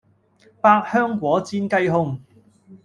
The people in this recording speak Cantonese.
百香果煎雞胸